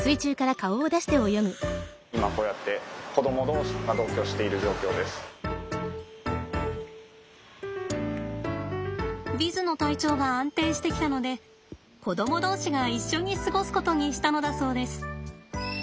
今こうやってヴィズの体調が安定してきたので子ども同士が一緒に過ごすことにしたのだそうです。